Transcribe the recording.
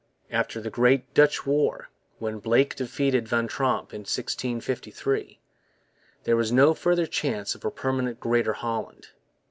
After the great Dutch War, when Blake defeated Van Tromp in 1653, there was no further chance of a permanent Greater Holland.